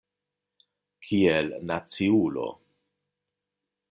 Kiel naciulo.